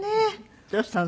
どうしたの？